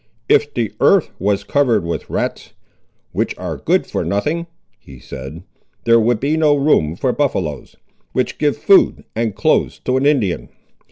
"If the earth was covered with rats, which are good for nothing," he said, "there would be no room for buffaloes, which give food and clothes to an Indian.